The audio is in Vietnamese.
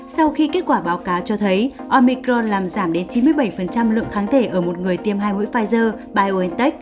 sau khi kết quả báo cáo cho thấy omicron làm giảm đến chín mươi bảy lượng kháng thể ở một người tiêm hai mũi pfizer biontech